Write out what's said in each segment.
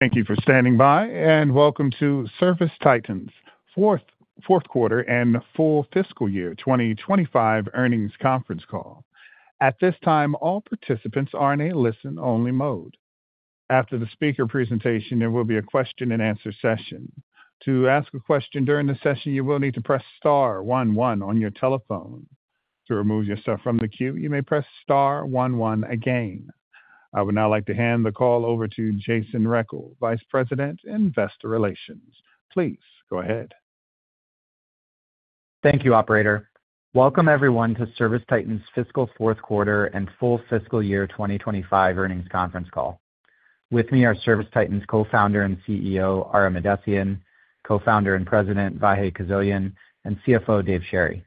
Thank you for standing by, and welcome to ServiceTitan's fourth quarter and full fiscal year 2025 earnings conference call. At this time, all participants are in a listen-only mode. After the speaker presentation, there will be a question-and-answer session. To ask a question during the session, you will need to press star one one on your telephone. To remove yourself from the queue, you may press star one one again. I would now like to hand the call over to Jason Rechel, Vice President, Investor Relations. Please go ahead. Thank you, Operator. Welcome, everyone, to ServiceTitan's fiscal fourth quarter and full fiscal year 2025 earnings conference call. With me are ServiceTitan's co-founder and CEO, Ara Mahdessian, co-founder and President, Vahe Kuzoyan, and CFO, Dave Sherry.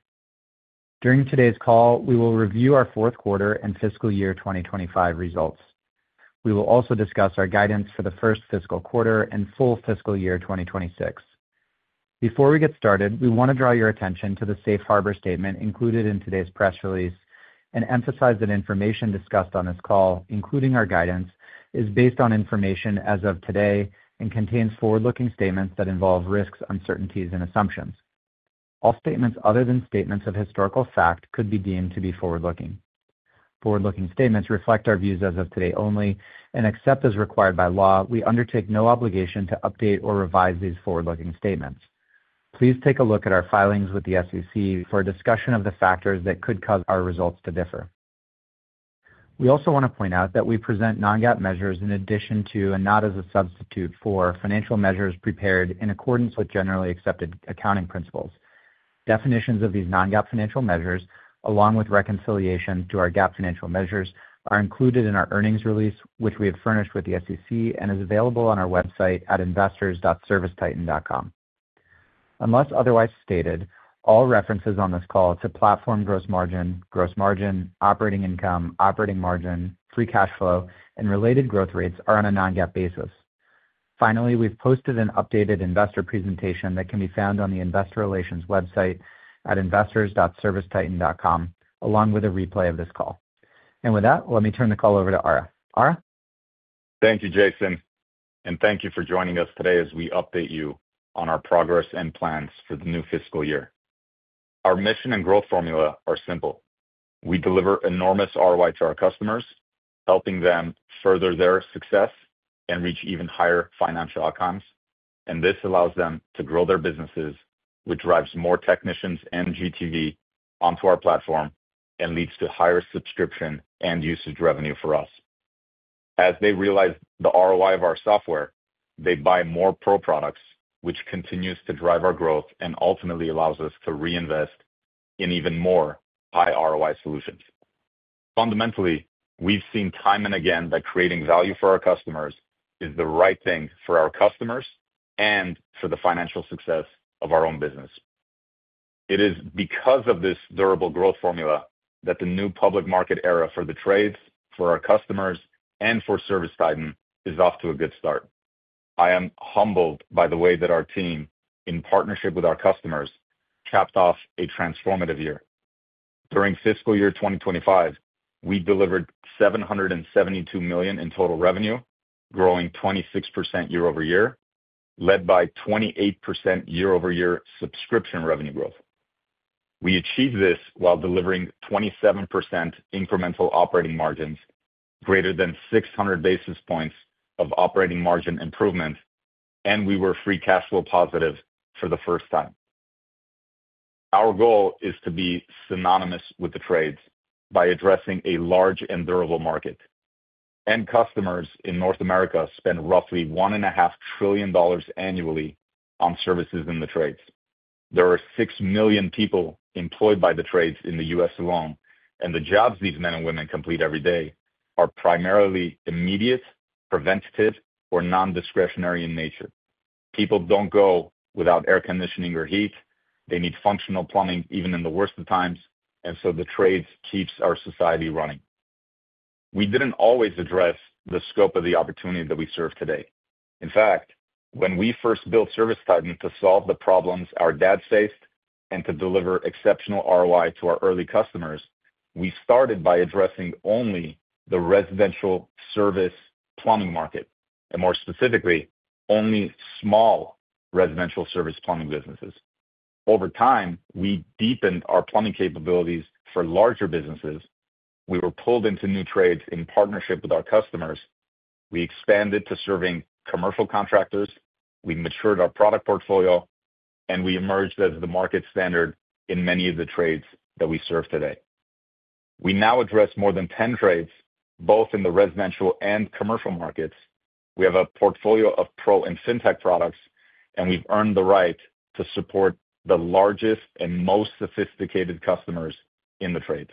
During today's call, we will review our fourth quarter and fiscal year 2025 results. We will also discuss our guidance for the first fiscal quarter and full fiscal year 2026. Before we get started, we want to draw your attention to the safe harbor statement included in today's press release and emphasize that information discussed on this call, including our guidance, is based on information as of today and contains forward-looking statements that involve risks, uncertainties, and assumptions. All statements other than statements of historical fact could be deemed to be forward-looking. Forward-looking statements reflect our views as of today only, and except as required by law, we undertake no obligation to update or revise these forward-looking statements. Please take a look at our filings with the SEC for a discussion of the factors that could cause our results to differ. We also want to point out that we present non-GAAP measures in addition to and not as a substitute for financial measures prepared in accordance with generally accepted accounting principles. Definitions of these non-GAAP financial measures, along with reconciliation to our GAAP financial measures, are included in our earnings release, which we have furnished with the SEC and is available on our website at investors.servicetitan.com. Unless otherwise stated, all references on this call to platform gross margin, gross margin, operating income, operating margin, free cash flow, and related growth rates are on a non-GAAP basis. Finally, we've posted an updated investor presentation that can be found on the Investor Relations website at investors.servicetitan.com, along with a replay of this call. With that, let me turn the call over to Ara. Ara? Thank you, Jason, and thank you for joining us today as we update you on our progress and plans for the new fiscal year. Our mission and growth formula are simple. We deliver enormous ROI to our customers, helping them further their success and reach even higher financial outcomes, and this allows them to grow their businesses, which drives more technicians and GTV onto our platform and leads to higher subscription and usage revenue for us. As they realize the ROI of our software, they buy more Pro Products, which continues to drive our growth and ultimately allows us to reinvest in even more high ROI solutions. Fundamentally, we have seen time and again that creating value for our customers is the right thing for our customers and for the financial success of our own business. It is because of this durable growth formula that the new public market era for the trades, for our customers, and for ServiceTitan is off to a good start. I am humbled by the way that our team, in partnership with our customers, capped off a transformative year. During fiscal year 2025, we delivered $772 million in total revenue, growing 26% year-over-year, led by 28% year-over-year subscription revenue growth. We achieved this while delivering 27% incremental operating margins, greater than 600 basis points of operating margin improvement, and we were free cash flow positive for the first time. Our goal is to be synonymous with the trades by addressing a large and durable market. End customers in North America spend roughly $1.5 trillion annually on services in the trades. There are 6 million people employed by the trades in the U.S. alone, and the jobs these men and women complete every day are primarily immediate, preventative, or non-discretionary in nature. People do not go without air conditioning or heat. They need functional plumbing even in the worst of times, and so the trades keep our society running. We did not always address the scope of the opportunity that we serve today. In fact, when we first built ServiceTitan to solve the problems our dad faced and to deliver exceptional ROI to our early customers, we started by addressing only the residential service plumbing market, and more specifically, only small residential service plumbing businesses. Over time, we deepened our plumbing capabilities for larger businesses. We were pulled into new trades in partnership with our customers. We expanded to serving commercial contractors. We matured our product portfolio, and we emerged as the market standard in many of the trades that we serve today. We now address more than 10 trades, both in the residential and commercial markets. We have a portfolio of Pro and fintech products, and we've earned the right to support the largest and most sophisticated customers in the trades.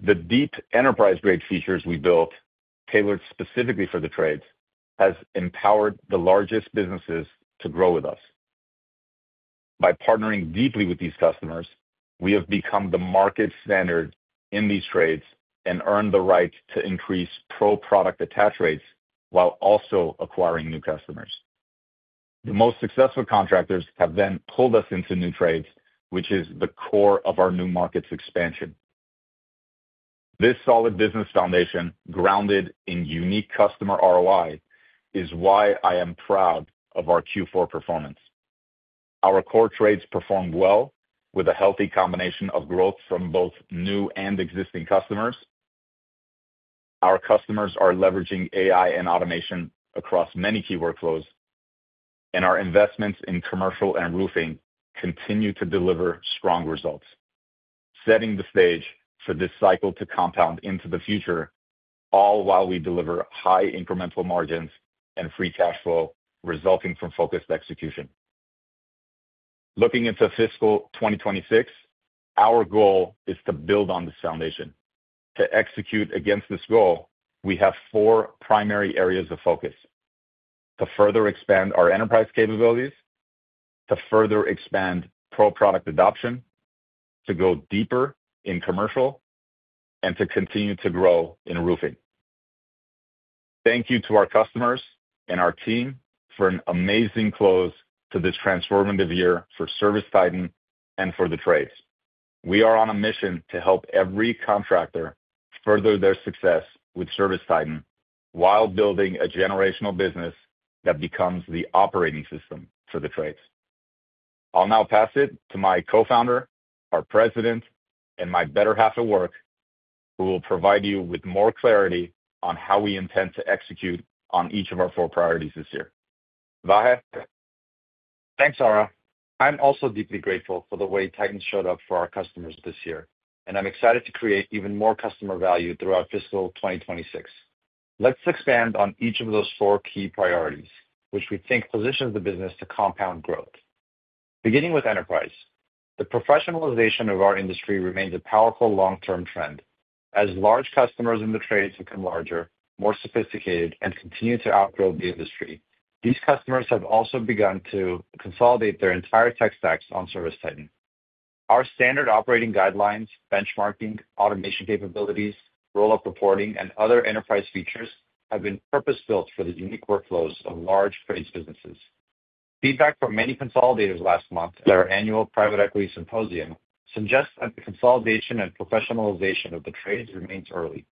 The deep enterprise-grade features we built, tailored specifically for the trades, have empowered the largest businesses to grow with us. By partnering deeply with these customers, we have become the market standard in these trades and earned the right to increase Pro Product attach rates while also acquiring new customers. The most successful contractors have then pulled us into new trades, which is the core of our new market's expansion. This solid business foundation, grounded in unique customer ROI, is why I am proud of our Q4 performance. Our core trades performed well with a healthy combination of growth from both new and existing customers. Our customers are leveraging AI and automation across many key workflows, and our investments in commercial and roofing continue to deliver strong results, setting the stage for this cycle to compound into the future, all while we deliver high incremental margins and free cash flow resulting from focused execution. Looking into fiscal 2026, our goal is to build on this foundation. To execute against this goal, we have four primary areas of focus: to further expand our enterprise capabilities, to further expand Pro Product adoption, to go deeper in commercial, and to continue to grow in roofing. Thank you to our customers and our team for an amazing close to this transformative year for ServiceTitan and for the trades. We are on a mission to help every contractor further their success with ServiceTitan while building a generational business that becomes the operating system for the trades. I'll now pass it to my co-founder, our President, and my better half at work, who will provide you with more clarity on how we intend to execute on each of our four priorities this year. Vahe? Thanks, Ara. I'm also deeply grateful for the way Titan showed up for our customers this year, and I'm excited to create even more customer value throughout fiscal 2026. Let's expand on each of those four key priorities, which we think positions the business to compound growth. Beginning with enterprise, the professionalization of our industry remains a powerful long-term trend. As large customers in the trades become larger, more sophisticated, and continue to outgrow the industry, these customers have also begun to consolidate their entire tech stacks on ServiceTitan. Our standard operating guidelines, benchmarking, automation capabilities, roll-up reporting, and other enterprise features have been purpose-built for the unique workflows of large trades businesses. Feedback from many consolidators last month at our annual Private Equity Symposium suggests that the consolidation and professionalization of the trades remains early.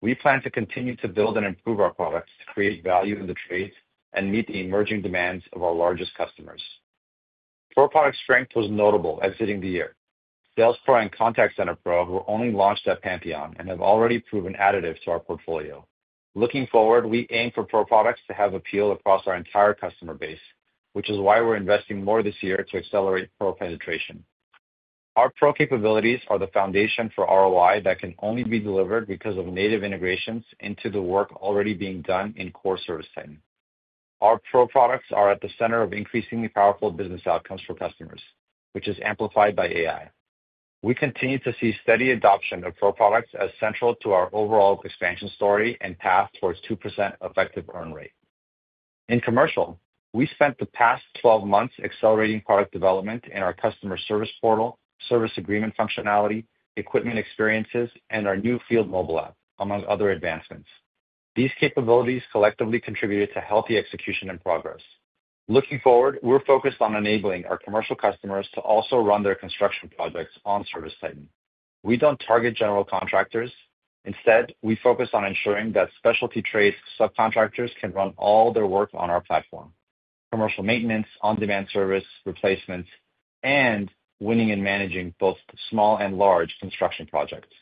We plan to continue to build and improve our products to create value in the trades and meet the emerging demands of our largest customers. Pro Product strength was notable at the beginning of the year. Sales Pro and Contact Center Pro were only launched at Pantheon and have already proven additive to our portfolio. Looking forward, we aim for Pro Products to have appeal across our entire customer base, which is why we're investing more this year to accelerate Pro penetration. Our pro capabilities are the foundation for ROI that can only be delivered because of native integrations into the work already being done in core ServiceTitan. Our Pro Products are at the center of increasingly powerful business outcomes for customers, which is amplified by AI. We continue to see steady adoption of Pro Products as central to our overall expansion story and path towards 2% effective earn rate. In commercial, we spent the past 12 months accelerating product development in our customer service portal, service agreement functionality, equipment experiences, and our new field mobile app, among other advancements. These capabilities collectively contributed to healthy execution and progress. Looking forward, we're focused on enabling our commercial customers to also run their construction projects on ServiceTitan. We don't target general contractors. Instead, we focus on ensuring that specialty trades subcontractors can run all their work on our platform: commercial maintenance, on-demand service, replacements, and winning and managing both small and large construction projects.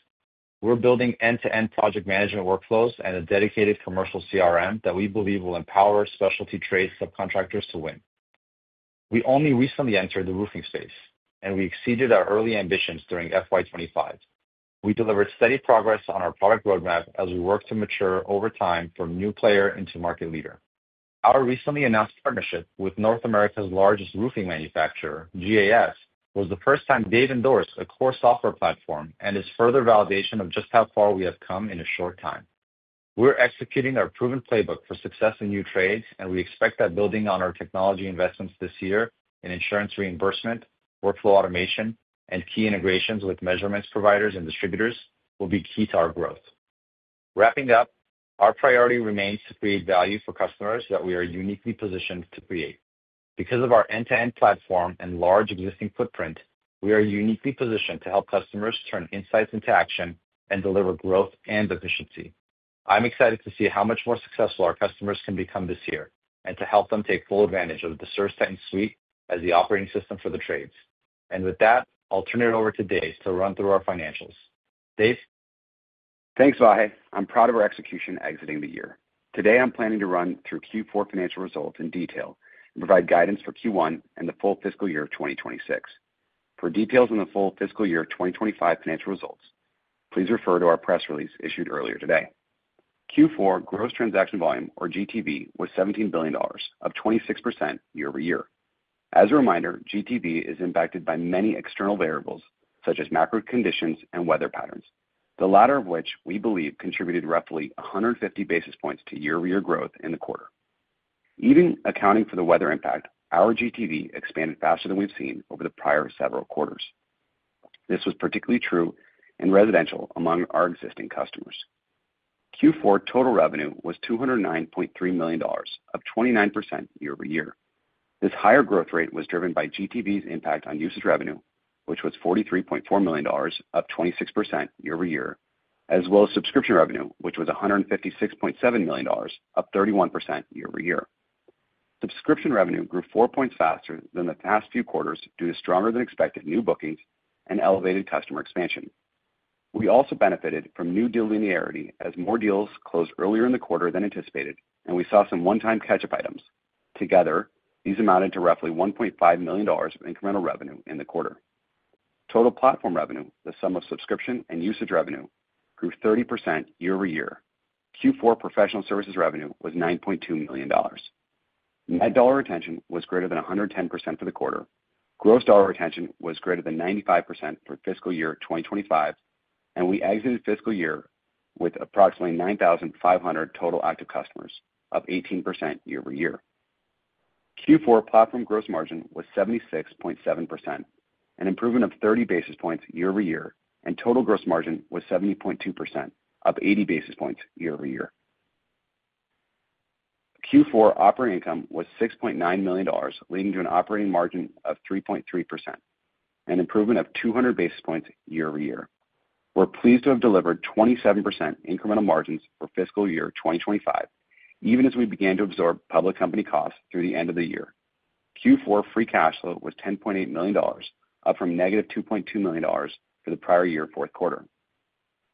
We're building end-to-end project management workflows and a dedicated commercial CRM that we believe will empower specialty trades subcontractors to win. We only recently entered the roofing space, and we exceeded our early ambitions during FY25. We delivered steady progress on our product roadmap as we worked to mature over time from new player into market leader. Our recently announced partnership with North America's largest roofing manufacturer, GAF, was the first time they've endorsed a core software platform and is further validation of just how far we have come in a short time. We're executing our proven playbook for success in new trades, and we expect that building on our technology investments this year in insurance reimbursement, workflow automation, and key integrations with measurements providers and distributors will be key to our growth. Wrapping up, our priority remains to create value for customers that we are uniquely positioned to create. Because of our end-to-end platform and large existing footprint, we are uniquely positioned to help customers turn insights into action and deliver growth and efficiency. I'm excited to see how much more successful our customers can become this year and to help them take full advantage of the ServiceTitan suite as the operating system for the trades. With that, I'll turn it over to Dave to run through our financials. Dave? Thanks, Vahe. I'm proud of our execution exiting the year. Today, I'm planning to run through Q4 financial results in detail and provide guidance for Q1 and the full fiscal year of 2026. For details in the full fiscal year 2025 financial results, please refer to our press release issued earlier today. Q4 gross transaction volume, or GTV, was $17 billion, up 26% year-over-year. As a reminder, GTV is impacted by many external variables such as macro conditions and weather patterns, the latter of which we believe contributed roughly 150 basis points to year-over-year growth in the quarter. Even accounting for the weather impact, our GTV expanded faster than we've seen over the prior several quarters. This was particularly true in residential among our existing customers. Q4 total revenue was $209.3 million, up 29% year-over-year. This higher growth rate was driven by GTV's impact on usage revenue, which was $43.4 million, up 26% year-over-year, as well as subscription revenue, which was $156.7 million, up 31% year-over-year. Subscription revenue grew four points faster than the past few quarters due to stronger-than-expected new bookings and elevated customer expansion. We also benefited from new deal linearity as more deals closed earlier in the quarter than anticipated, and we saw some one-time catch-up items. Together, these amounted to roughly $1.5 million of incremental revenue in the quarter. Total platform revenue, the sum of subscription and usage revenue, grew 30% year-over-year. Q4 professional services revenue was $9.2 million. Net dollar retention was greater than 110% for the quarter. Gross dollar retention was greater than 95% for fiscal year 2025, and we exited fiscal year with approximately 9,500 total active customers, up 18% year-over-year. Q4 platform gross margin was 76.7%, an improvement of 30 basis points year-over-year, and total gross margin was 70.2%, up 80 basis points year-over-year. Q4 operating income was $6.9 million, leading to an operating margin of 3.3%, an improvement of 200 basis points year-over-year. We're pleased to have delivered 27% incremental margins for fiscal year 2025, even as we began to absorb public company costs through the end of the year. Q4 free cash flow was $10.8 million, up from -$2.2 million for the prior year fourth quarter.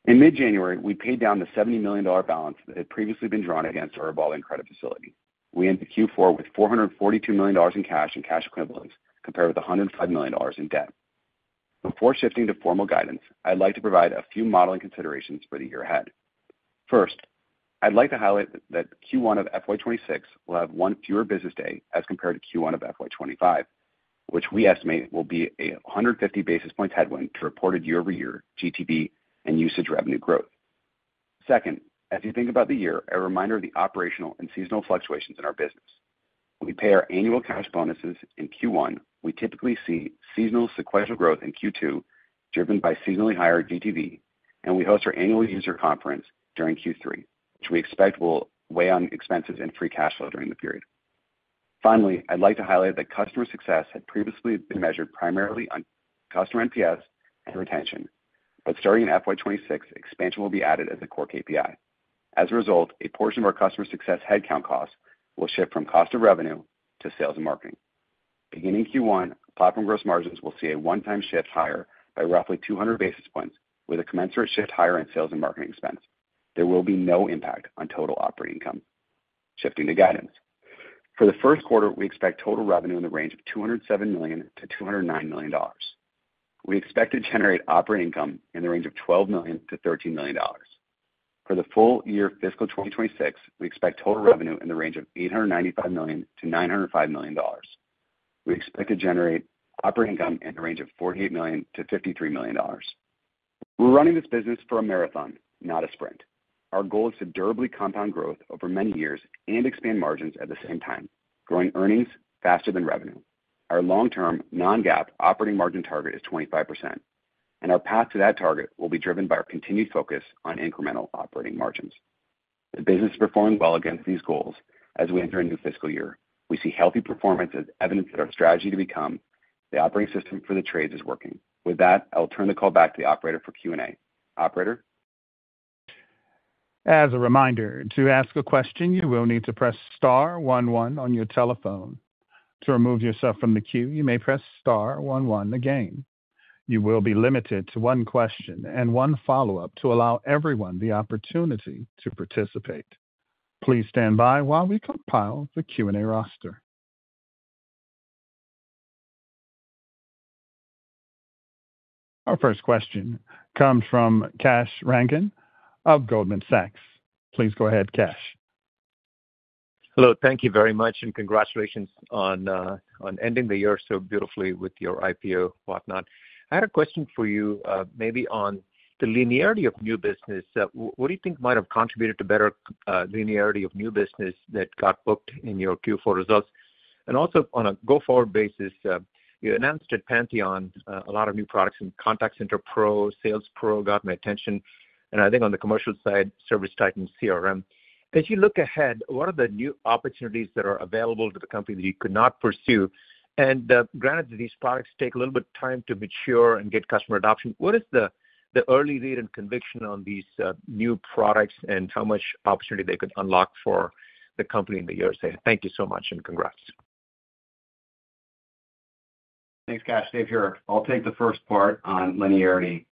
In mid-January, we paid down the $70 million balance that had previously been drawn against our revolving credit facility. We ended Q4 with $442 million in cash and cash equivalents, compared with $105 million in debt. Before shifting to formal guidance, I'd like to provide a few modeling considerations for the year ahead. First, I'd like to highlight that Q1 of FY2026 will have one fewer business day as compared to Q1 of FY2025, which we estimate will be a 150 basis points headwind to reported year-over-year GTV and usage revenue growth. Second, as you think about the year, a reminder of the operational and seasonal fluctuations in our business. We pay our annual cash bonuses in Q1. We typically see seasonal sequential growth in Q2, driven by seasonally higher GTV, and we host our annual user conference during Q3, which we expect will weigh on expenses and free cash flow during the period. Finally, I'd like to highlight that customer success had previously been measured primarily on customer NPS and retention, but starting in FY2026, expansion will be added as a core KPI. As a result, a portion of our customer success headcount costs will shift from cost of revenue to sales and marketing. Beginning Q1, platform gross margins will see a one-time shift higher by roughly 200 basis points, with a commensurate shift higher in sales and marketing expense. There will be no impact on total operating income. Shifting to guidance. For the first quarter, we expect total revenue in the range of $207 million-$209 million. We expect to generate operating income in the range of $12 million-$13 million. For the full year fiscal 2026, we expect total revenue in the range of $895 million-$905 million. We expect to generate operating income in the range of $48 million-$53 million. We're running this business for a marathon, not a sprint. Our goal is to durably compound growth over many years and expand margins at the same time, growing earnings faster than revenue. Our long-term non-GAAP operating margin target is 25%, and our path to that target will be driven by our continued focus on incremental operating margins. The business is performing well against these goals as we enter a new fiscal year. We see healthy performance as evidence that our strategy to become the operating system for the trades is working. With that, I'll turn the call back to the operator for Q&A. Operator? As a reminder, to ask a question, you will need to press star one one on your telephone. To remove yourself from the queue, you may press star one one again. You will be limited to one question and one follow-up to allow everyone the opportunity to participate. Please stand by while we compile the Q&A roster. Our first question comes from Kash Rangan of Goldman Sachs. Please go ahead, Kash. Hello. Thank you very much, and congratulations on ending the year so beautifully with your IPO, whatnot. I had a question for you maybe on the linearity of new business. What do you think might have contributed to better linearity of new business that got booked in your Q4 results? Also, on a go-forward basis, you announced at Pantheon a lot of new products in Contact Center Pro, Sales Pro, got my attention, and I think on the commercial side, ServiceTitan CRM. As you look ahead, what are the new opportunities that are available to the company that you could not pursue? Granted that these products take a little bit of time to mature and get customer adoption, what is the early read and conviction on these new products and how much opportunity they could unlock for the company in the year ahead? Thank you so much, and congrats. Thanks, Kash. Dave here, I'll take the first part on linearity.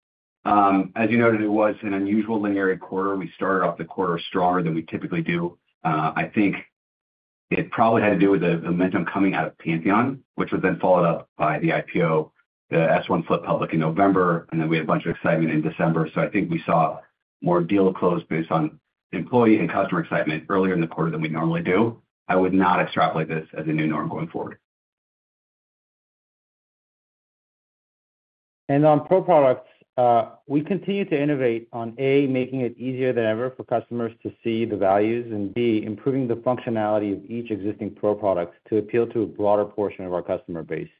As you noted, it was an unusual linearity quarter. We started off the quarter stronger than we typically do. I think it probably had to do with the momentum coming out of Pantheon, which was then followed up by the IPO, the S-1 flip public in November, and then we had a bunch of excitement in December. I think we saw more deal close based on employee and customer excitement earlier in the quarter than we normally do. I would not extrapolate this as a new norm going forward. On Pro Products, we continue to innovate on, A, making it easier than ever for customers to see the values, and B, improving the functionality of each existing Pro Product to appeal to a broader portion of our customer base,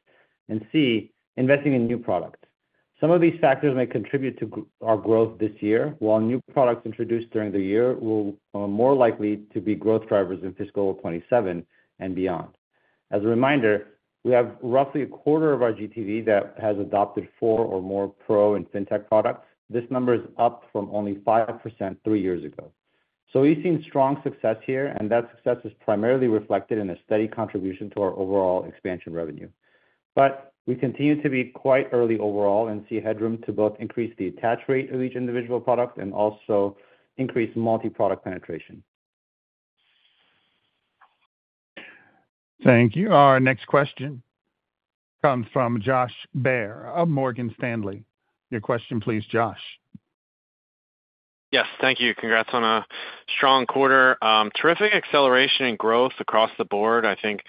and C, investing in new products. Some of these factors may contribute to our growth this year, while new products introduced during the year will be more likely to be growth drivers in fiscal 2027 and beyond. As a reminder, we have roughly a quarter of our GTV that has adopted four or more Pro and fintech products. This number is up from only 5% three years ago. We have seen strong success here, and that success is primarily reflected in a steady contribution to our overall expansion revenue. We continue to be quite early overall and see headroom to both increase the attach rate of each individual product and also increase multi-product penetration. Thank you. Our next question comes from Josh Baer of Morgan Stanley. Your question, please, Josh. Yes, thank you. Congrats on a strong quarter. Terrific acceleration and growth across the board. I think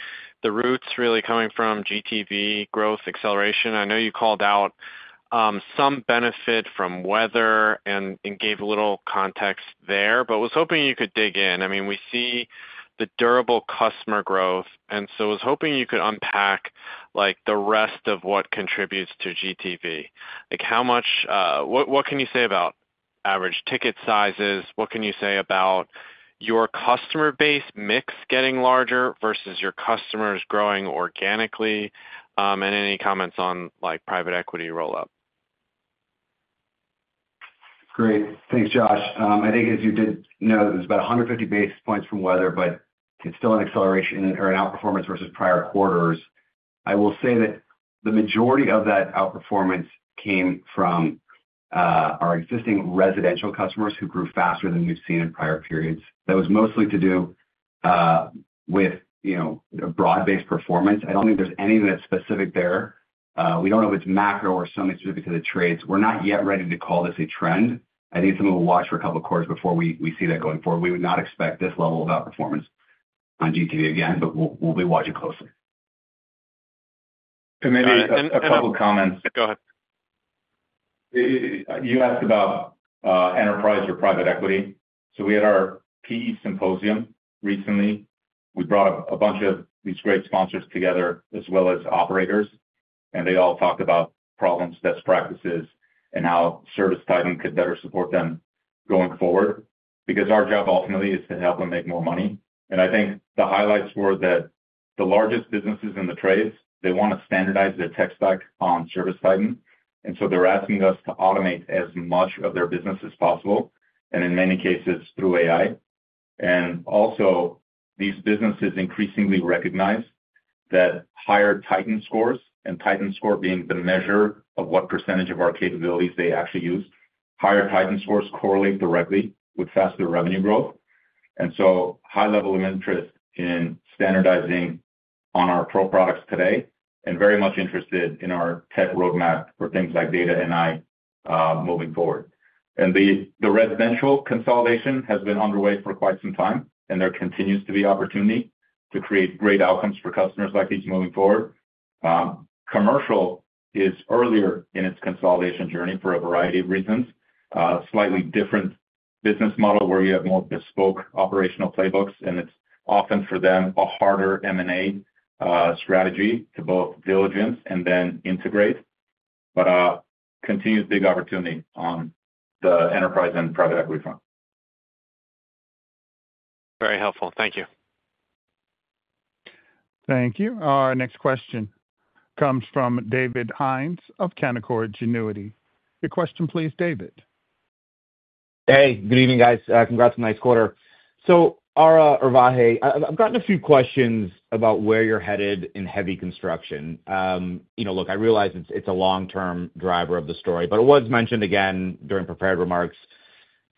the roots really coming from GTV growth, acceleration. I know you called out some benefit from weather and gave a little context there, but was hoping you could dig in. I mean, we see the durable customer growth, and so I was hoping you could unpack the rest of what contributes to GTV. What can you say about average ticket sizes? What can you say about your customer base mix getting larger versus your customers growing organically? Any comments on private equity roll-up? Great. Thanks, Josh. I think, as you did know, it was about 150 basis points from weather, but it's still an acceleration or an outperformance versus prior quarters. I will say that the majority of that outperformance came from our existing residential customers who grew faster than we've seen in prior periods. That was mostly to do with broad-based performance. I don't think there's anything that's specific there. We don't know if it's macro or something specific to the trades. We're not yet ready to call this a trend. I think someone will watch for a couple of quarters before we see that going forward. We would not expect this level of outperformance on GTV again, but we'll be watching closely. Maybe a couple of comments. Go ahead. You asked about enterprise or private equity. We had our PE Symposium recently. We brought a bunch of these great sponsors together, as well as operators, and they all talked about problems, best practices, and how ServiceTitan could better support them going forward because our job ultimately is to help them make more money. I think the highlights were that the largest businesses in the trades, they want to standardize their tech stack on ServiceTitan. They are asking us to automate as much of their business as possible, and in many cases, through AI. Also, these businesses increasingly recognize that higher Titan Scores, and Titan Score being the measure of what percentage of our capabilities they actually use, higher Titan Scores correlate directly with faster revenue growth. is a high level of interest in standardizing on our Pro Products today and very much interest in our tech roadmap for things like data and AI moving forward. The residential consolidation has been underway for quite some time, and there continues to be opportunity to create great outcomes for customers like these moving forward. Commercial is earlier in its consolidation journey for a variety of reasons. It is a slightly different business model where you have more bespoke operational playbooks, and it is often for them a harder M&A strategy to both diligence and then integrate. There is continued big opportunity on the enterprise and private equity front. Very helpful. Thank you. Thank you. Our next question comes from David Hynes of Canaccord Genuity. Your question, please, David. Hey, good evening, guys. Congrats on the nice quarter. Ara or Vahe, I've gotten a few questions about where you're headed in heavy construction. Look, I realize it's a long-term driver of the story, but it was mentioned again during prepared remarks.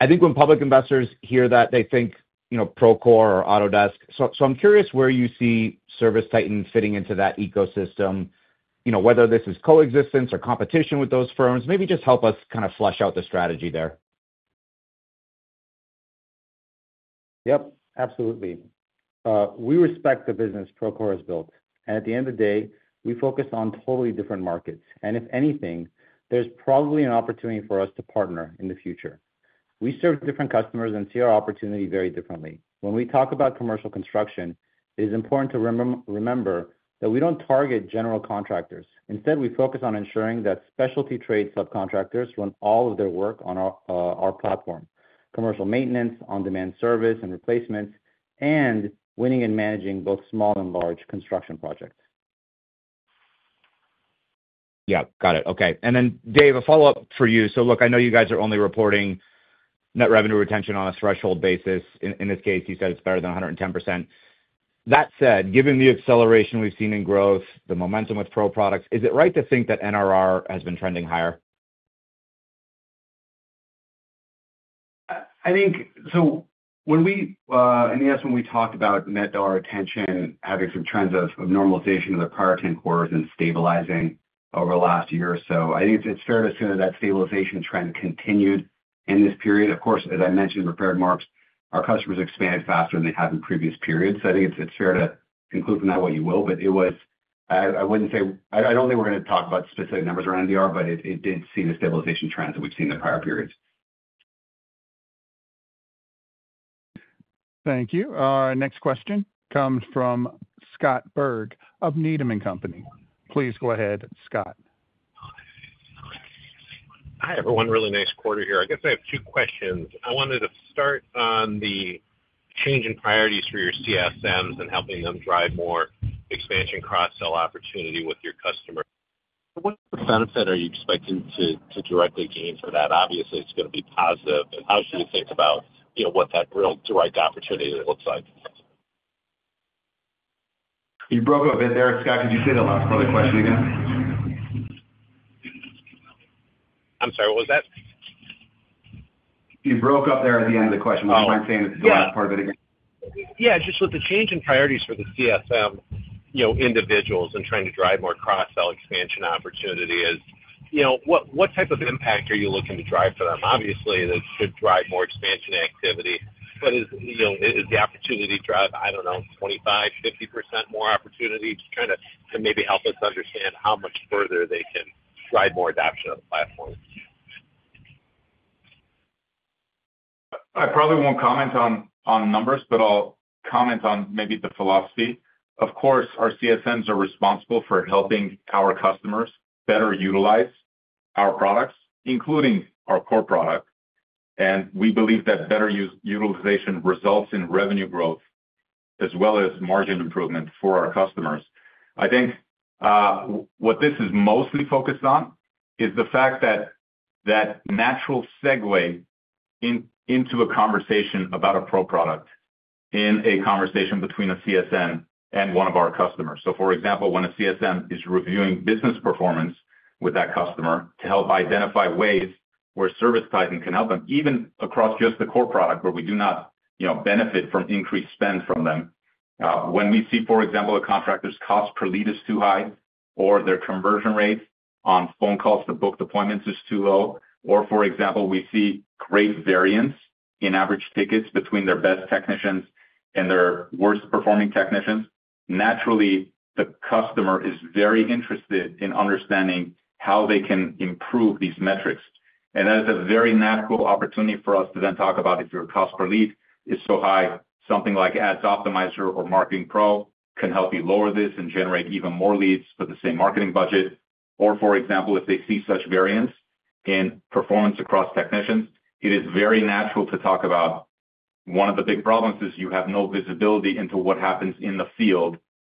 I think when public investors hear that, they think Procore or Autodesk. I'm curious where you see ServiceTitan fitting into that ecosystem, whether this is coexistence or competition with those firms. Maybe just help us kind of flesh out the strategy there. Yep, absolutely. We respect the business Procore has built. At the end of the day, we focus on totally different markets. If anything, there's probably an opportunity for us to partner in the future. We serve different customers and see our opportunity very differently. When we talk about commercial construction, it is important to remember that we don't target general contractors. Instead, we focus on ensuring that specialty trade subcontractors run all of their work on our platform: commercial maintenance, on-demand service and replacements, and winning and managing both small and large construction projects. Yeah, got it. Okay. Dave, a follow-up for you. Look, I know you guys are only reporting net revenue retention on a threshold basis. In this case, you said it's better than 110%. That said, given the acceleration we've seen in growth, the momentum with Pro Products, is it right to think that NRR has been trending higher? When we talked about net dollar retention having some trends of normalization of the prior 10 quarters and stabilizing over the last year or so, I think it's fair to assume that that stabilization trend continued in this period. Of course, as I mentioned in prepared remarks, our customers expanded faster than they have in previous periods. I think it's fair to conclude from that what you will, but I wouldn't say I don't think we're going to talk about specific numbers around NDR, but it did see the stabilization trends that we've seen in prior periods. Thank you. Our next question comes from Scott Berg of Needham & Company. Please go ahead, Scott. Hi, everyone. Really nice quarter here. I guess I have two questions. I wanted to start on the change in priorities for your CSMs and helping them drive more expansion cross-sell opportunity with your customer. What benefit are you expecting to directly gain from that? Obviously, it's going to be positive. How should you think about what that real direct opportunity looks like? You broke up a bit there, Scott, could you say the last part of the question again. I'm sorry, what was that? You broke up there at the end of the question. Were you saying the last part of it again? Yeah, just with the change in priorities for the CSM individuals and trying to drive more cross-sell expansion opportunity, what type of impact are you looking to drive for them? Obviously, that should drive more expansion activity. Is the opportunity to drive, I don't know, 25%-50% more opportunity? Just trying to maybe help us understand how much further they can drive more adoption of the platform. I probably won't comment on numbers, but I'll comment on maybe the philosophy. Of course, our CSMs are responsible for helping our customers better utilize our products, including our core product. We believe that better utilization results in revenue growth as well as margin improvement for our customers. I think what this is mostly focused on is the fact that that natural segue into a conversation about a Pro Product in a conversation between a CSM and one of our customers. For example, when a CSM is reviewing business performance with that customer to help identify ways where ServiceTitan can help them, even across just the core product where we do not benefit from increased spend from them. When we see, for example, a contractor's cost per lead is too high, or their conversion rate on phone calls to booked appointments is too low, or for example, we see great variance in average tickets between their best technicians and their worst-performing technicians, naturally, the customer is very interested in understanding how they can improve these metrics. That is a very natural opportunity for us to then talk about if your cost per lead is so high, something like Ads Optimizer or Marketing Pro can help you lower this and generate even more leads for the same marketing budget. For example, if they see such variance in performance across technicians, it is very natural to talk about one of the big problems is you have no visibility into what happens in the field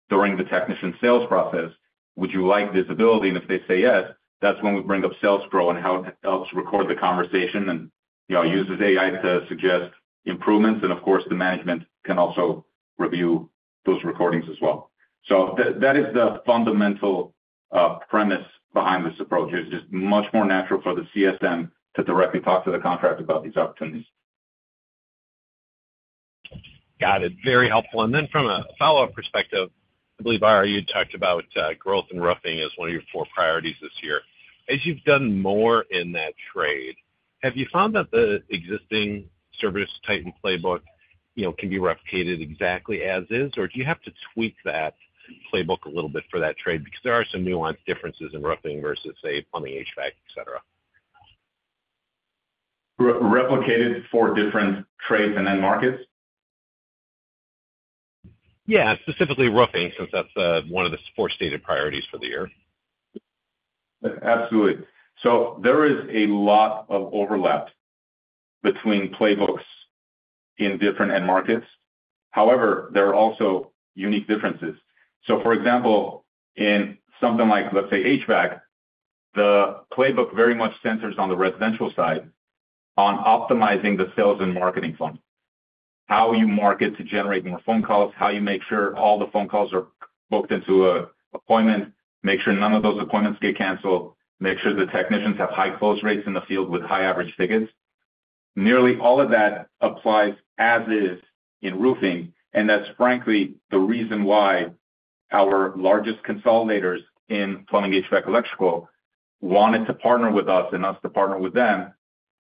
during the technician sales process. Would you like visibility? If they say yes, that's when we bring up Sales Pro and how it helps record the conversation and uses AI to suggest improvements. Of course, the management can also review those recordings as well. That is the fundamental premise behind this approach. It's just much more natural for the CSM to directly talk to the contractor about these opportunities. Got it. Very helpful. From a follow-up perspective, I believe, Ara, you talked about growth in roofing as one of your four priorities this year. As you've done more in that trade, have you found that the existing ServiceTitan playbook can be replicated exactly as is, or do you have to tweak that playbook a little bit for that trade? Because there are some nuanced differences in roofing versus, say, plumbing, HVAC, et cetera. Replicated for different trades and then markets? Yeah, specifically roofing since that's one of the four stated priorities for the year. Absolutely. There is a lot of overlap between playbooks in different end markets. However, there are also unique differences. For example, in something like, let's say, HVAC, the playbook very much centers on the residential side on optimizing the sales and marketing funnel. How you market to generate more phone calls, how you make sure all the phone calls are booked into an appointment, make sure none of those appointments get canceled, make sure the technicians have high close rates in the field with high average tickets. Nearly all of that applies as is in roofing. That's, frankly, the reason why our largest consolidators in plumbing, HVAC, electrical wanted to partner with us and us to partner with them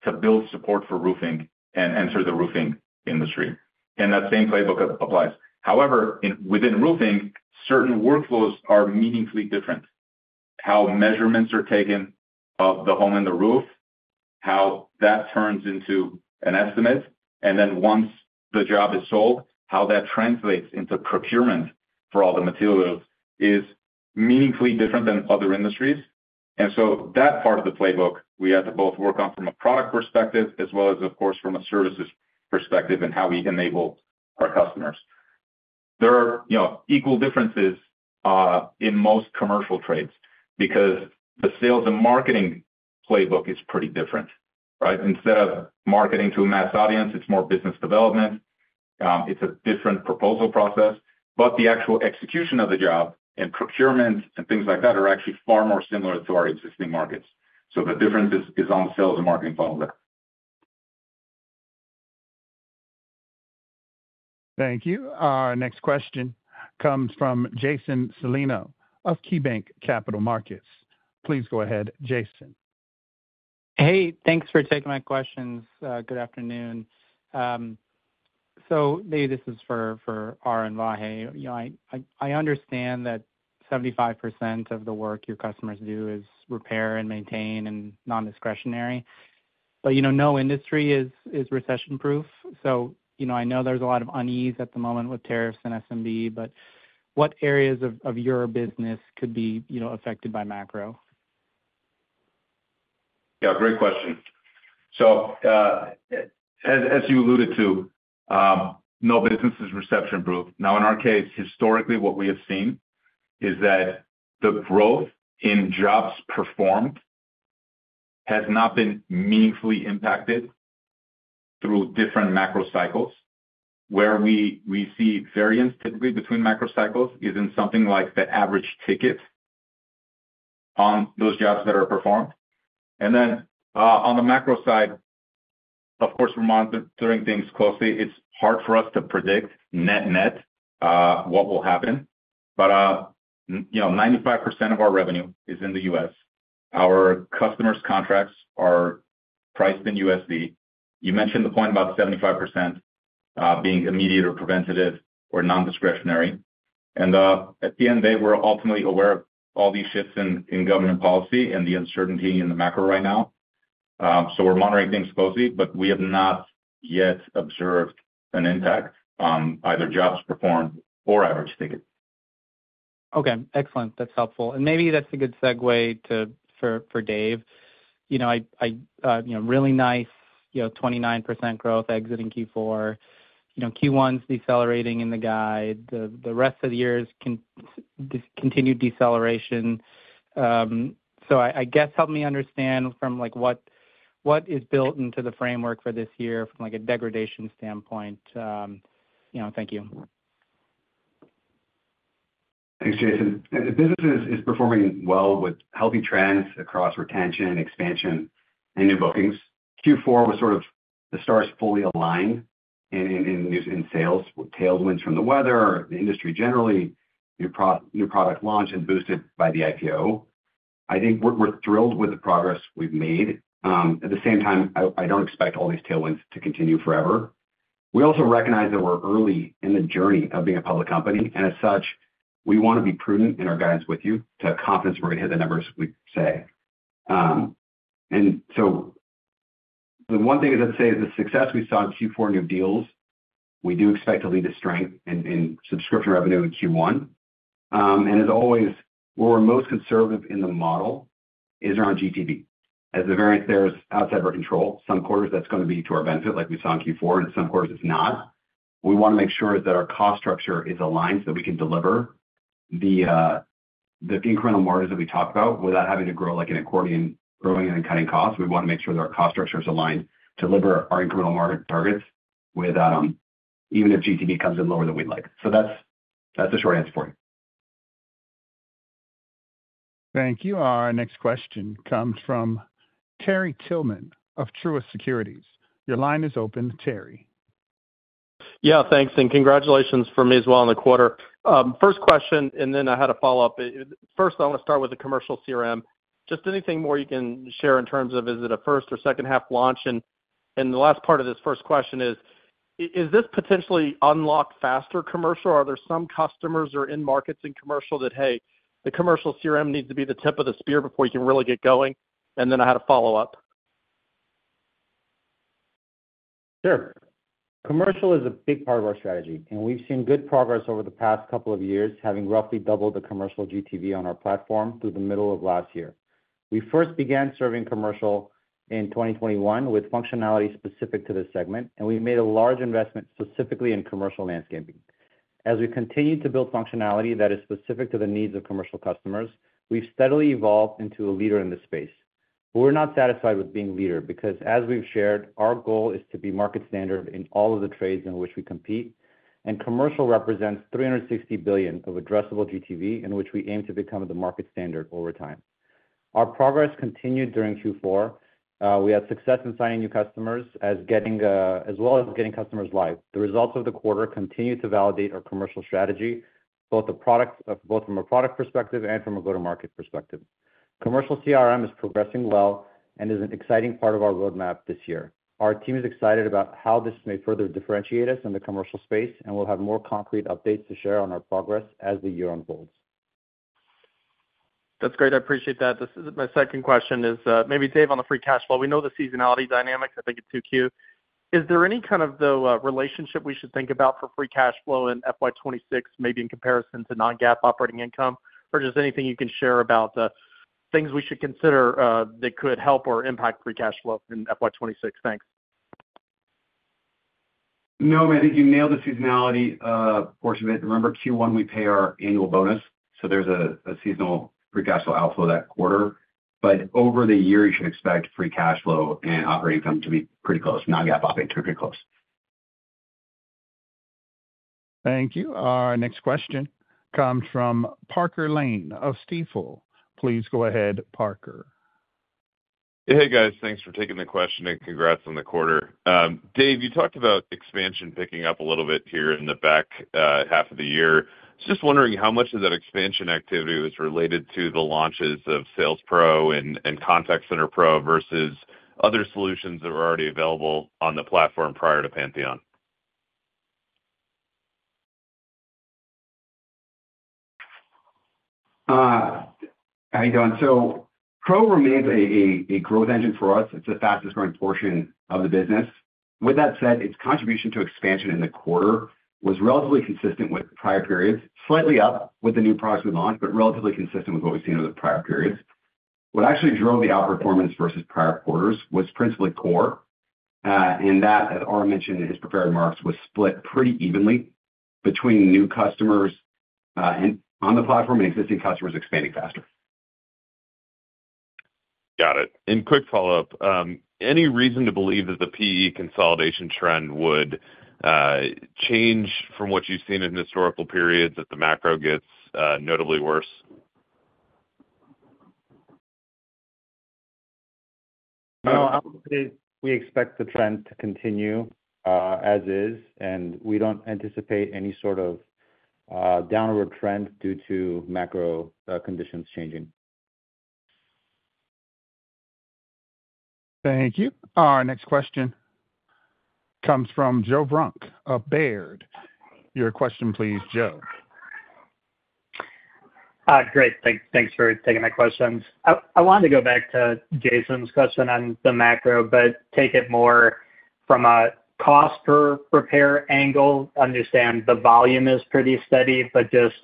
to build support for roofing and enter the roofing industry. That same playbook applies. However, within roofing, certain workflows are meaningfully different. How measurements are taken of the home and the roof, how that turns into an estimate, and then once the job is sold, how that translates into procurement for all the materials is meaningfully different than other industries. That part of the playbook we have to both work on from a product perspective as well as, of course, from a services perspective and how we enable our customers. There are equal differences in most commercial trades because the sales and marketing playbook is pretty different. Instead of marketing to a mass audience, it's more business development. It's a different proposal process. The actual execution of the job and procurement and things like that are actually far more similar to our existing markets. The difference is on sales and marketing funnels there. Thank you. Our next question comes from Jason Celino of KeyBanc Capital Markets. Please go ahead, Jason. Hey, thanks for taking my questions. Good afternoon. Maybe this is for Ara and Vahe. I understand that 75% of the work your customers do is repair and maintain and nondiscretionary. No industry is recession-proof. I know there's a lot of unease at the moment with tariffs and SMB, but what areas of your business could be affected by macro? Yeah, great question. As you alluded to, no business is recession-proof. In our case, historically, what we have seen is that the growth in jobs performed has not been meaningfully impacted through different macro cycles. Where we see variance typically between macro cycles is in something like the average ticket on those jobs that are performed. On the macro side, of course, we are monitoring things closely. It is hard for us to predict net-net what will happen. 95% of our revenue is in the U.S. Our customers' contracts are priced in USD. You mentioned the point about 75% being immediate or preventative or nondiscretionary. At the end of the day, we are ultimately aware of all these shifts in government policy and the uncertainty in the macro right now. We're monitoring things closely, but we have not yet observed an impact on either jobs performed or average ticket. Okay. Excellent. That's helpful. Maybe that's a good segue for Dave. Really nice 29% growth exiting Q4. Q1's decelerating in the guide. The rest of the year's continued deceleration. I guess help me understand from what is built into the framework for this year from a degradation standpoint. Thank you. Thanks, Jason. The business is performing well with healthy trends across retention, expansion, and new bookings. Q4 was sort of the stars fully aligned in sales, tailwinds from the weather, the industry generally, new product launch and boosted by the IPO. I think we're thrilled with the progress we've made. At the same time, I don't expect all these tailwinds to continue forever. We also recognize that we're early in the journey of being a public company. As such, we want to be prudent in our guidance with you to have confidence we're going to hit the numbers we say. The one thing I'd say is the success we saw in Q4 new deals, we do expect to lead to strength in subscription revenue in Q1. As always, where we're most conservative in the model is around GTV. As the variance there is outside of our control, some quarters that's going to be to our benefit like we saw in Q4, and some quarters it's not. What we want to make sure is that our cost structure is aligned so that we can deliver the incremental margins that we talked about without having to grow like an accordion growing and then cutting costs. We want to make sure that our cost structure is aligned to deliver our incremental margin targets even if GTV comes in lower than we'd like. That's the short answer for you. Thank you. Our next question comes from Terry Tillman of Truist Securities. Your line is open, Terry. Yeah, thanks. Congratulations from me as well in the quarter. First question, and then I had a follow-up. First, I want to start with the commercial CRM. Just anything more you can share in terms of is it a first or second-half launch? The last part of this first question is, is this potentially unlock faster commercial? Are there some customers or end markets in commercial that, hey, the commercial CRM needs to be the tip of the spear before you can really get going? I had a follow-up. Sure. Commercial is a big part of our strategy, and we've seen good progress over the past couple of years having roughly doubled the commercial GTV on our platform through the middle of last year. We first began serving commercial in 2021 with functionality specific to this segment, and we made a large investment specifically in commercial landscaping. As we continue to build functionality that is specific to the needs of commercial customers, we've steadily evolved into a leader in this space. We are not satisfied with being a leader because, as we've shared, our goal is to be market standard in all of the trades in which we compete. Commercial represents $360 billion of addressable GTV in which we aim to become the market standard over time. Our progress continued during Q4. We had success in signing new customers as well as getting customers live. The results of the quarter continue to validate our commercial strategy, both from a product perspective and from a go-to-market perspective. Commercial CRM is progressing well and is an exciting part of our roadmap this year. Our team is excited about how this may further differentiate us in the commercial space, and we'll have more concrete updates to share on our progress as the year unfolds. That's great. I appreciate that. My second question is maybe Dave on the free cash flow. We know the seasonality dynamics. I think it's too cute. Is there any kind of relationship we should think about for free cash flow in FY2026, maybe in comparison to non-GAAP operating income? Or just anything you can share about things we should consider that could help or impact free cash flow in FY2026? Thanks. No, I think you nailed the seasonality portion of it. Remember, Q1 we pay our annual bonus. There is a seasonal free cash flow outflow that quarter. Over the year, you should expect free cash flow and operating income to be pretty close, non-GAAP operating income to be pretty close. Thank you. Our next question comes from Parker Lane of Stifel. Please go ahead, Parker. Hey, guys. Thanks for taking the question and congrats on the quarter. Dave, you talked about expansion picking up a little bit here in the back half of the year. Just wondering how much of that expansion activity was related to the launches of Sales Pro and Contact Center Pro versus other solutions that were already available on the platform prior to Pantheon? How are you doing? Pro remains a growth engine for us. It's the fastest-growing portion of the business. With that said, its contribution to expansion in the quarter was relatively consistent with prior periods, slightly up with the new products we launched, but relatively consistent with what we've seen over the prior periods. What actually drove the outperformance versus prior quarters was principally core. That, as Ara mentioned in his prepared remarks, was split pretty evenly between new customers on the platform and existing customers expanding faster. Got it. Quick follow-up. Any reason to believe that the PE consolidation trend would change from what you've seen in historical periods if the macro gets notably worse? No, I would say we expect the trend to continue as is, and we don't anticipate any sort of downward trend due to macro conditions changing. Thank you. Our next question comes from Joe Vruwink of Baird. Your question, please, Joe. Great. Thanks for taking my questions. I wanted to go back to Jason's question on the macro, but take it more from a cost per repair angle. Understand the volume is pretty steady, but just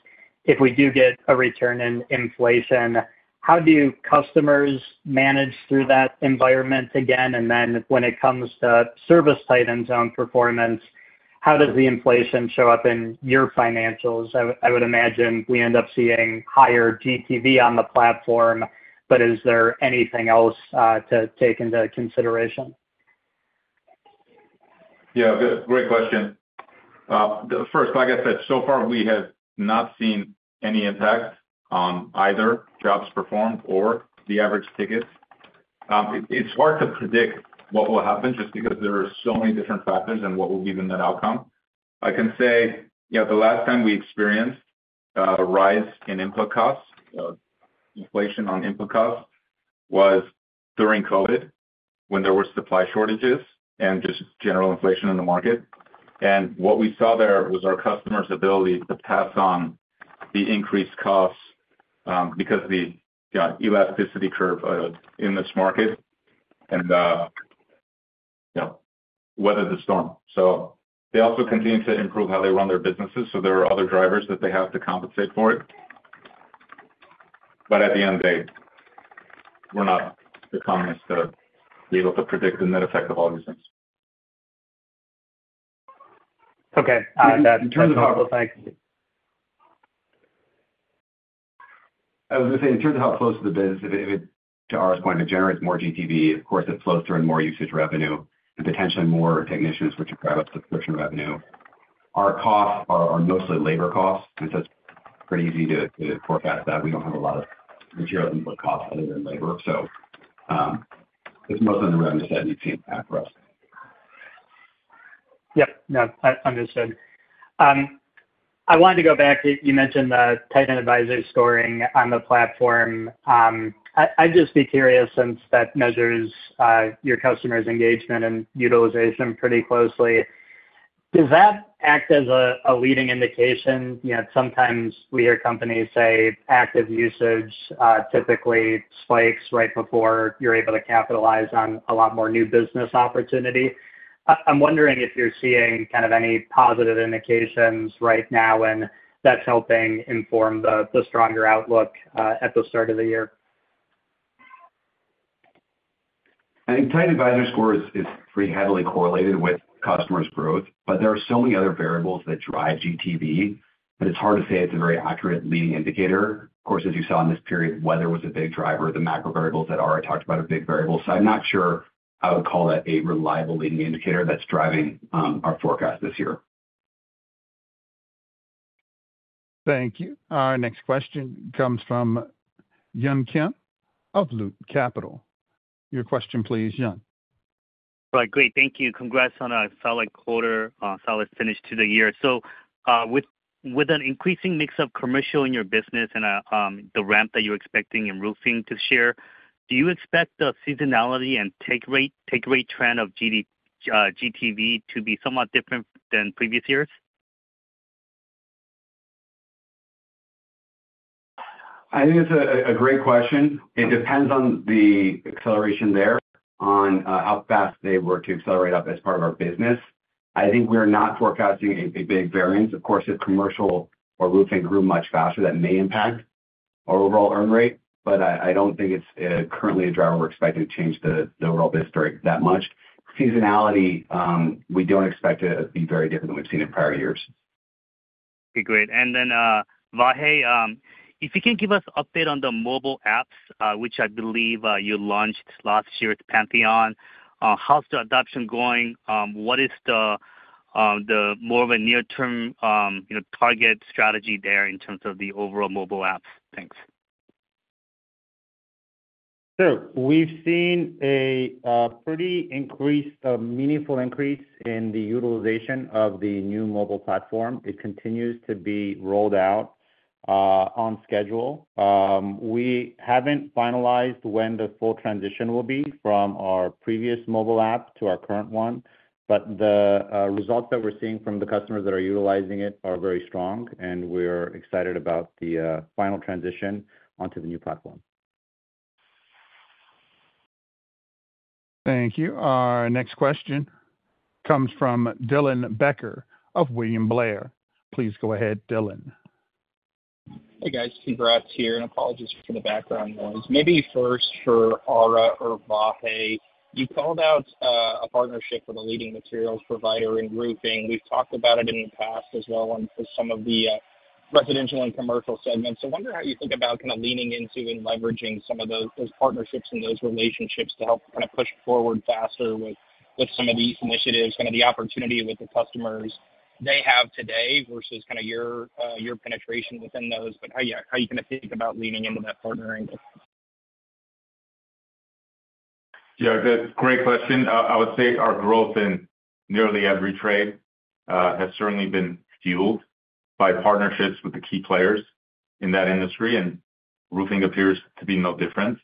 if we do get a return in inflation, how do customers manage through that environment again? When it comes to ServiceTitan's own performance, how does the inflation show up in your financials? I would imagine we end up seeing higher GTV on the platform, but is there anything else to take into consideration? Yeah, great question. First, like I said, so far, we have not seen any impact on either jobs performed or the average tickets. It's hard to predict what will happen just because there are so many different factors and what will give them that outcome. I can say the last time we experienced a rise in input costs, inflation on input costs, was during COVID when there were supply shortages and just general inflation in the market. What we saw there was our customer's ability to pass on the increased costs because of the elasticity curve in this market and weather the storm. They also continue to improve how they run their businesses. There are other drivers that they have to compensate for it. At the end of the day, we're not economists to be able to predict the net effect of all these things. Okay. That's helpful. In terms of how close to the business, to Ara's point, it generates more GTV. Of course, it flows through in more usage revenue and potentially more technicians, which will drive up subscription revenue. Our costs are mostly labor costs. It is pretty easy to forecast that. We do not have a lot of material input costs other than labor. It is mostly in the revenue set and you would see impact for us. Yep. No, understood. I wanted to go back. You mentioned the Titan Advisor scoring on the platform. I'd just be curious since that measures your customer's engagement and utilization pretty closely. Does that act as a leading indication? Sometimes we hear companies say active usage typically spikes right before you're able to capitalize on a lot more new business opportunity. I'm wondering if you're seeing kind of any positive indications right now, and that's helping inform the stronger outlook at the start of the year. Titan Score is pretty heavily correlated with customer's growth, but there are so many other variables that drive GTV that it's hard to say it's a very accurate leading indicator. Of course, as you saw in this period, weather was a big driver. The macro variables that Ara talked about are big variables. I'm not sure I would call that a reliable leading indicator that's driving our forecast this year. Thank you. Our next question comes from Yun Kim of Loop Capital. Your question, please, Yun. All right. Great. Thank you. Congrats on a solid quarter, solid finish to the year. With an increasing mix of commercial in your business and the ramp that you're expecting in roofing to share, do you expect the seasonality and take rate trend of GTV to be somewhat different than previous years? I think it's a great question. It depends on the acceleration there on how fast they were to accelerate up as part of our business. I think we're not forecasting a big variance. Of course, if commercial or roofing grew much faster, that may impact our overall earn rate, but I don't think it's currently a driver we're expecting to change the overall business story that much. Seasonality, we don't expect to be very different than we've seen in prior years. Okay. Great. Vahe, if you can give us an update on the mobile apps, which I believe you launched last year at Pantheon. How's the adoption going? What is the more of a near-term target strategy there in terms of the overall mobile apps? Thanks. Sure. We've seen a pretty meaningful increase in the utilization of the new mobile platform. It continues to be rolled out on schedule. We haven't finalized when the full transition will be from our previous mobile app to our current one, but the results that we're seeing from the customers that are utilizing it are very strong, and we're excited about the final transition onto the new platform. Thank you. Our next question comes from Dylan Becker of William Blair. Please go ahead, Dylan. Hey, guys. Congrats here and apologies for the background noise. Maybe first for Ara or Vahe, you called out a partnership with a leading materials provider in roofing. We've talked about it in the past as well on some of the residential and commercial segments. I wonder how you think about kind of leaning into and leveraging some of those partnerships and those relationships to help kind of push forward faster with some of these initiatives, kind of the opportunity with the customers they have today versus kind of your penetration within those. How are you going to think about leaning into that partnering? Yeah, great question. I would say our growth in nearly every trade has certainly been fueled by partnerships with the key players in that industry, and roofing appears to be no different.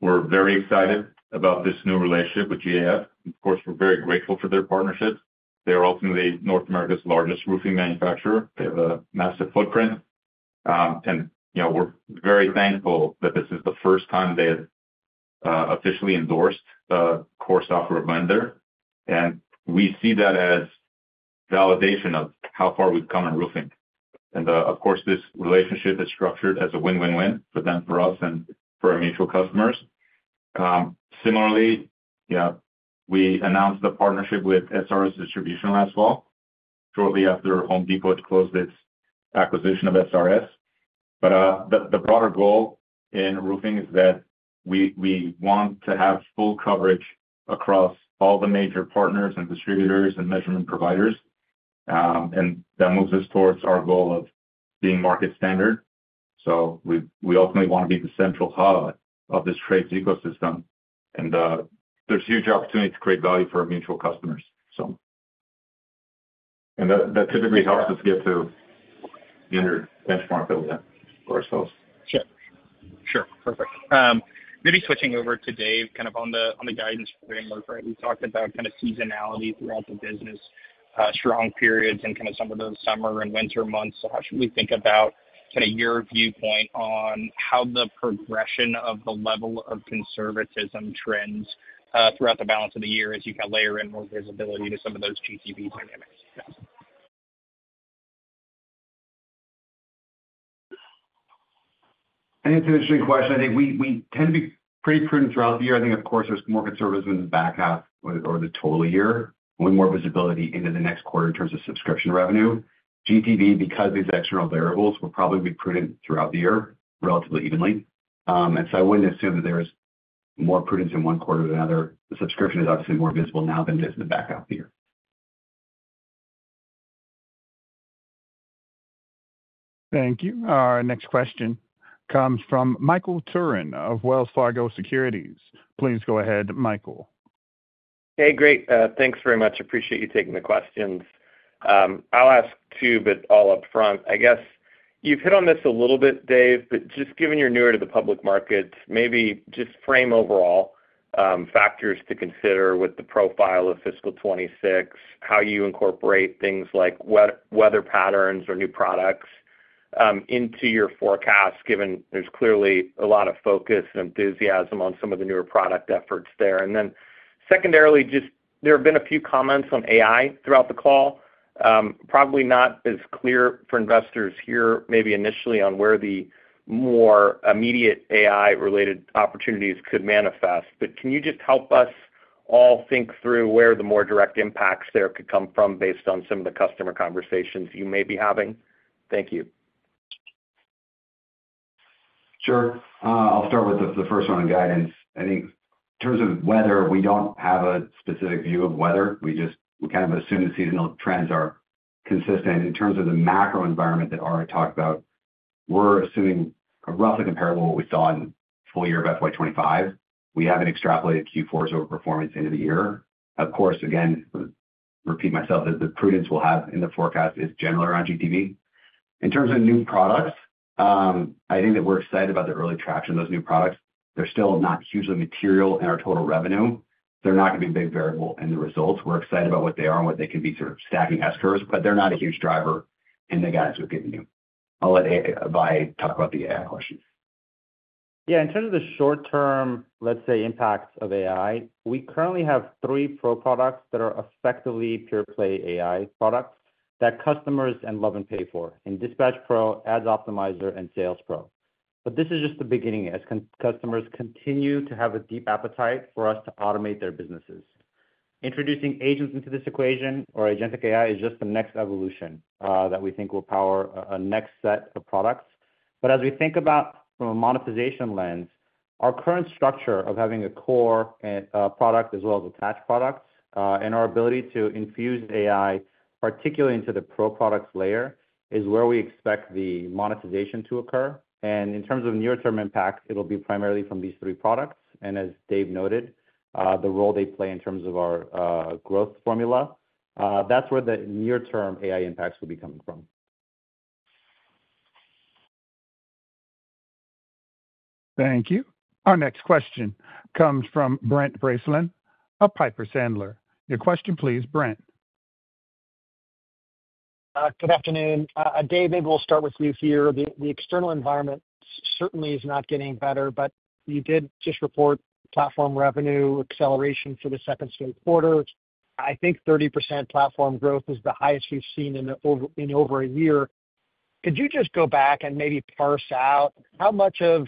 We're very excited about this new relationship with GAF. Of course, we're very grateful for their partnership. They are ultimately North America's largest roofing manufacturer. They have a massive footprint, and we're very thankful that this is the first time they have officially endorsed a core software vendor. We see that as validation of how far we've come in roofing. This relationship is structured as a win-win-win for them, for us, and for our mutual customers. Similarly, we announced the partnership with SRS Distribution last fall shortly after Home Depot closed its acquisition of SRS. The broader goal in roofing is that we want to have full coverage across all the major partners and distributors and measurement providers. That moves us towards our goal of being market standard. We ultimately want to be the central hub of this trade ecosystem, and there is huge opportunity to create value for our mutual customers. That typically helps us get to the internal benchmark that we have for ourselves. Sure. Sure. Perfect. Maybe switching over to Dave kind of on the guidance framework, right? We talked about kind of seasonality throughout the business, strong periods in kind of some of those summer and winter months. How should we think about kind of your viewpoint on how the progression of the level of conservatism trends throughout the balance of the year as you kind of layer in more visibility to some of those GTV dynamics? That's an interesting question. I think we tend to be pretty prudent throughout the year. I think, of course, there's more conservatism in the back half or the total year. We want more visibility into the next quarter in terms of subscription revenue. GTV, because these external variables, will probably be prudent throughout the year relatively evenly. I wouldn't assume that there's more prudence in one quarter than the other. The subscription is obviously more visible now than it is in the back half of the year. Thank you. Our next question comes from Michael Turrin of Wells Fargo Securities. Please go ahead, Michael. Hey, great. Thanks very much. Appreciate you taking the questions. I'll ask two, but all upfront. I guess you've hit on this a little bit, Dave, but just given you're newer to the public markets, maybe just frame overall factors to consider with the profile of fiscal 2026, how you incorporate things like weather patterns or new products into your forecast, given there's clearly a lot of focus and enthusiasm on some of the newer product efforts there. Secondarily, just there have been a few comments on AI throughout the call. Probably not as clear for investors here, maybe initially on where the more immediate AI-related opportunities could manifest. Can you just help us all think through where the more direct impacts there could come from based on some of the customer conversations you may be having? Thank you. Sure. I'll start with the first one on guidance. I think in terms of weather, we don't have a specific view of weather. We kind of assume the seasonal trends are consistent. In terms of the macro environment that Ara talked about, we're assuming roughly comparable to what we saw in the full year of FY2025. We haven't extrapolated Q4's overperformance into the year. Of course, again, repeat myself that the prudence we'll have in the forecast is general around GTV. In terms of new products, I think that we're excited about the early traction of those new products. They're still not hugely material in our total revenue. They're not going to be a big variable in the results. We're excited about what they are and what they can be sort of stacking S-curves, but they're not a huge driver in the guidance we've given you. I'll let Vahe talk about the AI question. Yeah. In terms of the short-term, let's say, impacts of AI, we currently have three Pro Products that are effectively pure-play AI products that customers love and pay for: Dispatch Pro, Ads Optimizer, and Sales Pro. This is just the beginning as customers continue to have a deep appetite for us to automate their businesses. Introducing agents into this equation or agentic AI is just the next evolution that we think will power a next set of products. As we think about from a monetization lens, our current structure of having a core product as well as attached products and our ability to infuse AI, particularly into the Pro Products layer, is where we expect the monetization to occur. In terms of near-term impact, it'll be primarily from these three products. As Dave noted, the role they play in terms of our growth formula, that's where the near-term AI impacts will be coming from. Thank you. Our next question comes from Brent Bracelin at Piper Sandler. Your question, please, Brent. Good afternoon. Dave, maybe we'll start with you here. The external environment certainly is not getting better, but you did just report platform revenue acceleration for the second quarter. I think 30% platform growth is the highest we've seen in over a year. Could you just go back and maybe parse out how much of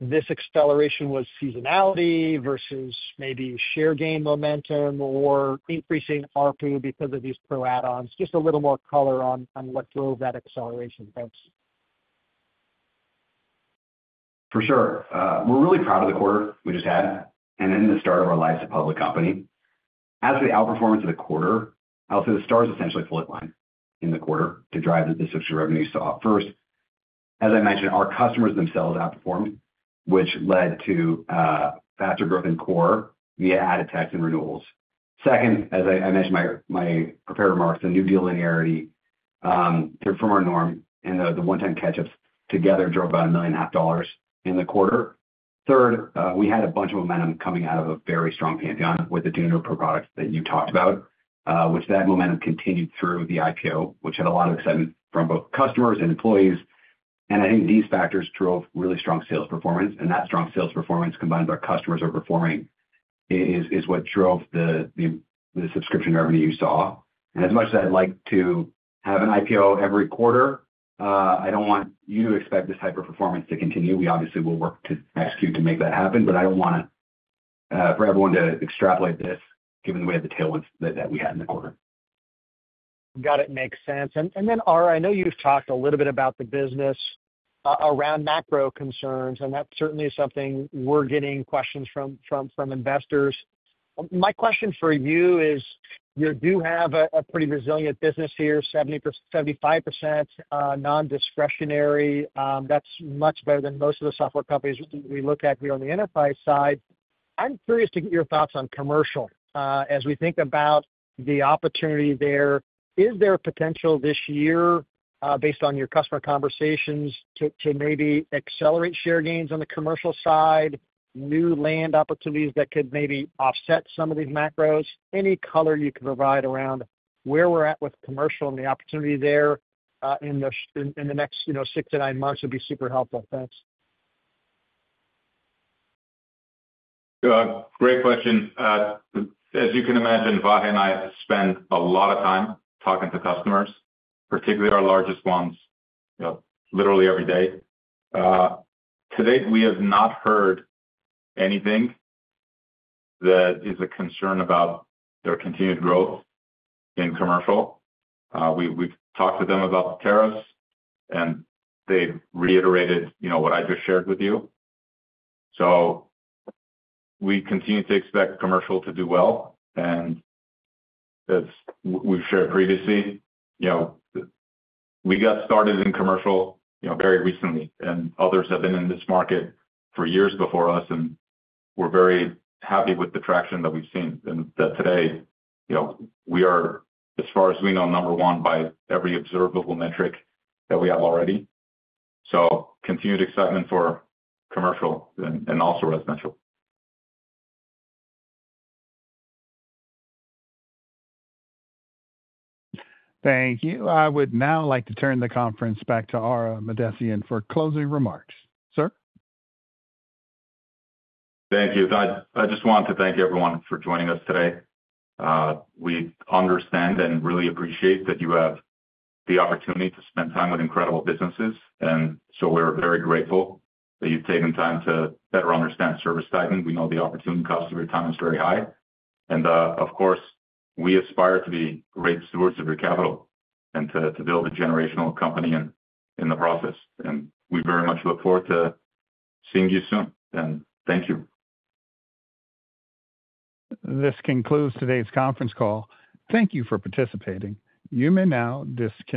this acceleration was seasonality versus maybe share gain momentum or increasing ARPU because of these Pro add-ons? Just a little more color on what drove that acceleration, thanks. For sure. We're really proud of the quarter we just had and in the start of our lives as a public company. As we outperformed for the quarter, I'll say the stars essentially alined in the quarter to drive the subscription revenue. First, as I mentioned, our customers themselves outperformed, which led to faster growth in core via added techs and renewals. Second, as I mentioned, my prepared remarks, the new deal linearity from our norm and the one-time catch-ups together drove about $1.5 million in the quarter. Third, we had a bunch of momentum coming out of a very strong Pantheon with the deal into a Pro Product that you talked about, which that momentum continued through the IPO, which had a lot of excitement from both customers and employees. I think these factors drove really strong sales performance. That strong sales performance combined with our customers overperforming is what drove the subscription revenue you saw. As much as I'd like to have an IPO every quarter, I don't want you to expect this hyper-performance to continue. We obviously will work to execute to make that happen, but I don't want for everyone to extrapolate this given the way the tailwinds that we had in the quarter. Got it. Makes sense. Ara, I know you've talked a little bit about the business around macro concerns, and that certainly is something we're getting questions from investors. My question for you is you do have a pretty resilient business here, 75% non-discretionary. That's much better than most of the software companies we look at here on the enterprise side. I'm curious to get your thoughts on commercial as we think about the opportunity there. Is there potential this year based on your customer conversations to maybe accelerate share gains on the commercial side, new land opportunities that could maybe offset some of these macros? Any color you can provide around where we're at with commercial and the opportunity there in the next six to nine months would be super helpful. Thanks. Great question. As you can imagine, Vahe and I spend a lot of time talking to customers, particularly our largest ones, literally every day. To date, we have not heard anything that is a concern about their continued growth in commercial. We've talked to them about tariffs, and they've reiterated what I just shared with you. We continue to expect commercial to do well. As we've shared previously, we got started in commercial very recently, and others have been in this market for years before us, and we're very happy with the traction that we've seen. Today, we are, as far as we know, number one by every observable metric that we have already. Continued excitement for commercial and also residential. Thank you. I would now like to turn the conference back to Ara Mahdessian for closing remarks. Sir? Thank you. I just want to thank everyone for joining us today. We understand and really appreciate that you have the opportunity to spend time with incredible businesses. We are very grateful that you've taken time to better understand ServiceTitan. We know the opportunity cost of your time is very high. Of course, we aspire to be great stewards of your capital and to build a generational company in the process. We very much look forward to seeing you soon. Thank you. This concludes today's conference call. Thank you for participating. You may now disconnect.